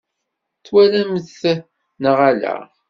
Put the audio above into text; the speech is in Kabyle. Twalamt-t neɣ ala?